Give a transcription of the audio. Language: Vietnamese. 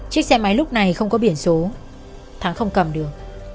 chiếc xe máy lúc này không có biển số thắng không cầm được